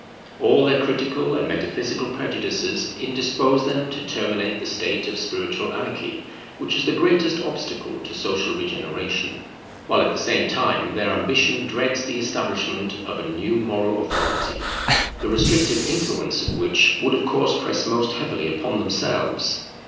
All their critical and metaphysical prejudices indispose them to terminate the state of spiritual anarchy which is the greatest obstacle to social regeneration: while at the same time their ambition dreads the establishment of a new moral authority, the restrictive influence of which would of course press most heavily upon themselves.